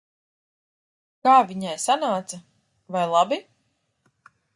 Kā viņai sanāca? Vai labi?